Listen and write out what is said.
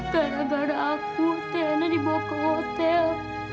gara gara aku tena dibawa ke hotel